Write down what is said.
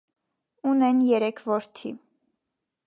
Ունեն երեք որդի։